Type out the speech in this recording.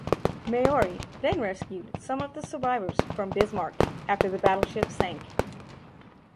"Maori" then rescued some of the survivors from "Bismarck" after the battleship sank.